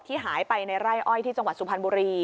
หายไปในไร่อ้อยที่จังหวัดสุพรรณบุรี